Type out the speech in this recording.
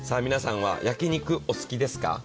皆さんは焼き肉お好きですか？